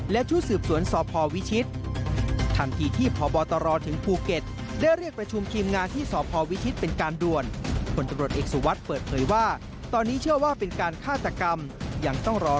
และชุดสืบสวนสพวิชิต